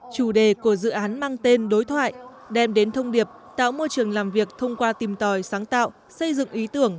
chủ đề của dự án mang tên đối thoại đem đến thông điệp tạo môi trường làm việc thông qua tìm tòi sáng tạo xây dựng ý tưởng